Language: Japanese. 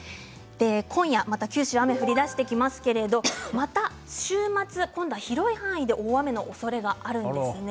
今夜、また九州雨が降りだしてきますけどまた週末、今度は広い範囲で大雨のおそれがあるんです。